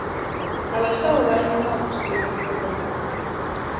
Abasawo balina okusiimibwa.